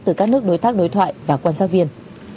từ các nước đối tác đối thoại và quan sát viên